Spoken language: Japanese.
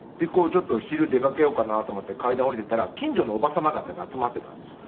で昼出かけようかなと思って階段を下りていったら近所のおば様方が集まってたんですよ。